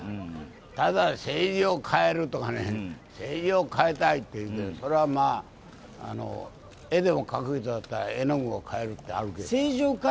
ただ政治を変えるとか、政治を変えたいって、それは絵でも描くんだったら、絵の具を変えるってあるけど。